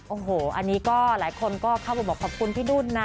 โอ้โหอันนี้ก็หลายคนก็เข้าไปบอกขอบคุณพี่นุ่นนะ